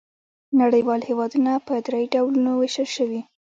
نړیوال هېوادونه په درې ډولونو وېشل شوي.